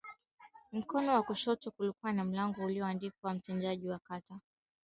Mkono wa kushoto kulikuwa na mlango ulioandikwa mtendaji wa kata